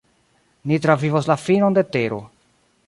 "Ni travivos la finon de tero."